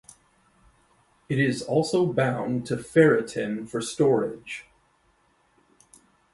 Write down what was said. It is also bound to ferritin for storage.